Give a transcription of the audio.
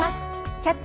「キャッチ！